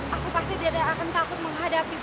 aku pasti tidak akan takut menghadapi